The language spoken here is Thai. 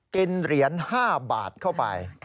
กินเหรียญ๕บาทเข้าไป